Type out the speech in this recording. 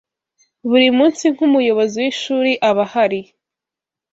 buri munsi nk'umuyobozi w'ishuri aba ahari